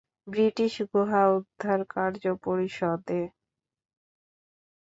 British গুহা উদ্ধারকার্য পরিষদে।